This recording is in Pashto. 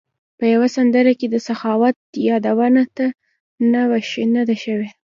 په یوه سندره کې د سخاوت یادونه نه ده شوې.